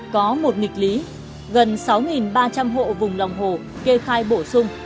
có một nghịch lý gần sáu ba trăm linh hộ vùng lòng hồ kê khai bổ sung